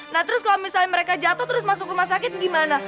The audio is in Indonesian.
nah terus kalau misalnya mereka jatuh terus masuk rumah sakit gimana